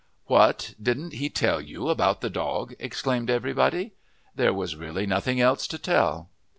"What, didn't he tell you about the dog?" exclaimed everybody. There was really nothing else to tell.